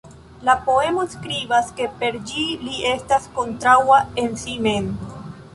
La poeto skribas ke per ĝi li estas "kontraŭa en si mem".